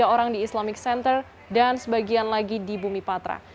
tiga ratus sembilan puluh tiga orang di islamic center dan sebagian lagi di bumi patra